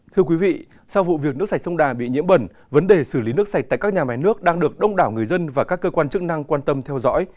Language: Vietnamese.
thưa quý vị sau vụ việc nước sạch sông đà bị nhiễm bẩn vấn đề xử lý nước sạch tại các nhà máy nước đang được đông đảo người dân và các cơ quan chức năng quan tâm theo dõi